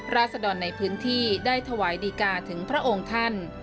ราศดรในพื้นที่ได้ถวายดีกาถึงพระองค์ท่าน